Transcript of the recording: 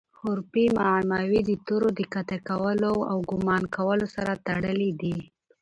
حروفي معماوي د تورو د قاطع کولو او ګومان کولو سره تړلي دي.